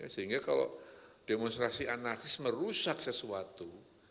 sehingga kalau demonstrasi anarkis merusak sesuatu